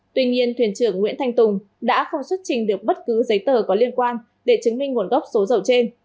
tuy nhiên thuyền trưởng nguyễn thanh tùng đã không xuất trình được bất cứ giấy tờ có liên quan để chứng minh nguồn gốc số dầu trên